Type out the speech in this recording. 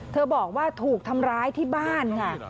บอกว่าถูกทำร้ายที่บ้านค่ะ